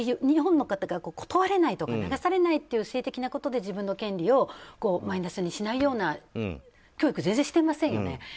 日本の方が断れないとか流されないっていう性的なことで自分の権利をマイナスにしないような教育を全然していませんよね。